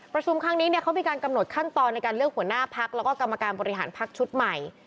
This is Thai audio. ครั้งนี้เขามีการกำหนดขั้นตอนในการเลือกหัวหน้าพักแล้วก็กรรมการบริหารพักชุดใหม่